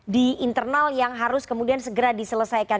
di internal yang harus kemudian segera diselesaikan